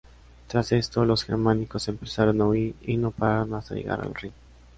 Tras esto los germánicos empezaron a huir y no pararon hasta llegar al Rin.